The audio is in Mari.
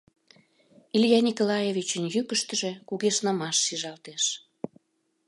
Илья Николаевичын йӱкыштыжӧ кугешнымаш шижалтеш.